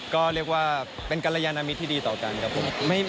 ก็เรียกว่าเป็นกรยานมิตรที่ดีต่อกันครับผม